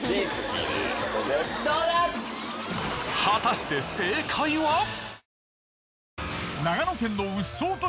果たして正解は！？